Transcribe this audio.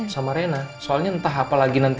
sama rena soalnya entah apalagi nanti